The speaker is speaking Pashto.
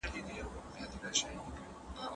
حضرت ابو عبيده د خلګو جزيه بيرته ورکړه.